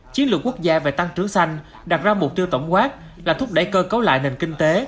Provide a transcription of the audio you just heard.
chiến lược quốc gia về tăng trưởng xanh đặt ra mục tiêu tổng quát là thúc đẩy cơ cấu lại nền kinh tế